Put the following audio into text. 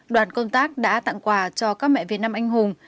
đoàn công tác đã tặng quà cho các mẹ việt nam anh hùng